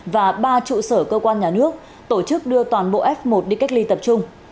và ba trụ sở cơ quan nhà nước tổ chức đưa toàn bộ f một đi cách ly tập trung